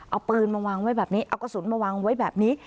เอาปืนมาวางไว้แบบนี้เอากระสุนมาวางไว้แบบนี้